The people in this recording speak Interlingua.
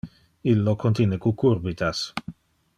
Illo contine cucurbitas.